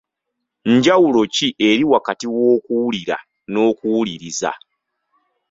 Njawulo ki eriwo wakati w’okuwulira n’okuwuliriza